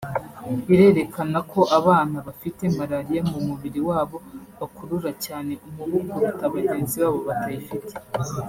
irerekana ko abana bafite malaria mu mubiri wabo bakurura cyane umubu kuruta bagenzi babo batayifite